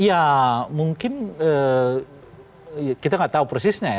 ya mungkin kita nggak tahu persisnya ya